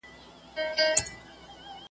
راست اوسه په لویه لار کي ناست اوسه .